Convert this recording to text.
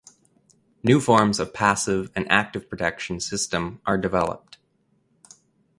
New forms of passive and Active protection system are developed.